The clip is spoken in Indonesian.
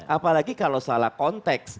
apalagi kalau salah konteks